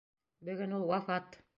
Бөгөн ул вафат.